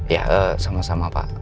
ya sama sama pak